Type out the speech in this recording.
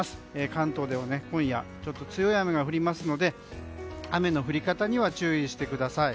関東では今夜強い雨が降りますので雨の降り方には注意してください。